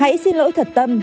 hãy xin lỗi thật tâm